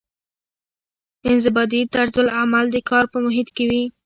انضباطي طرزالعمل د کار په محیط کې وي.